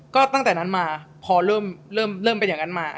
ก็ตั้งแต่นั้นมาพอเริ่มเป็นอย่างนั้นมา